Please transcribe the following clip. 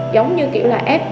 giống như kiểu là ép cho em